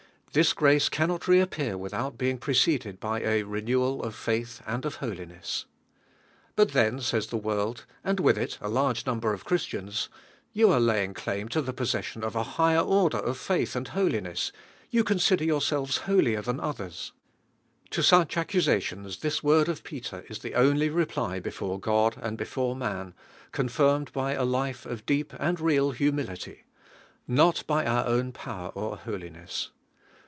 This grace cannot reappear with out being preceded by a renewal of faith and of holiness. Rut then, says the world, and with it a large number of Christians, "You are laying claim to the possession of a higher order of faith and holiness, yon consider yourselves aoiit r than others." To such accusations this word of Peter is the only reply before God and before man, confirmed by a lift: of deep and real humility; "Not by our own power or holiness."